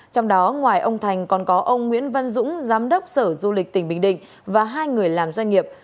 trong đó ngoài ông thành còn có ông nguyễn văn dũng giám đốc sở du lịch tỉnh bình định và hai người làm doanh nghiệp